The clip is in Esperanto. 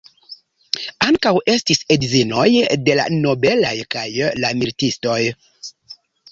Ankaŭ estis edzinoj de la nobelaj kaj la militistoj.